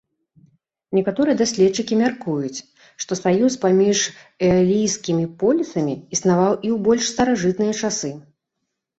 Некаторыя даследчыкі мяркуюць, што саюз паміж эалійскімі полісамі існаваў і ў больш старажытныя часы.